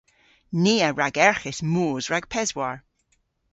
Ni a ragerghis moos rag peswar.